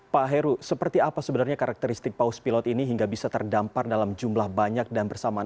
pak heru seperti apa sebenarnya karakteristik paus pilot ini hingga bisa terdampar dalam jumlah banyak dan bersamaan